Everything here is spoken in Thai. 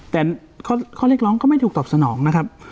แต่ข้อเรียกร้องก็ไม่ถูกตอบสนองนะครับ